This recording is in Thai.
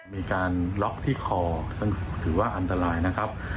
มีการล็อกที่คอซึ่งถือว่าอันตรายนะครับ